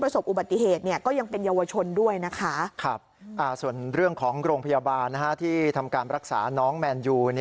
ส่วนเรื่องของโรงพยาบาลที่ทำการรักษาน้องแมนยู